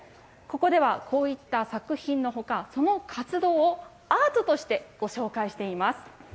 ここではこういった作品のほか、その活動を、アートとしてご紹介しています。